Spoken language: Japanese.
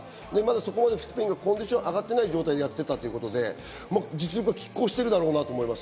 そこまでスペインがコンディションが上がってない状態でやってて実力が拮抗してるだろうなと思います。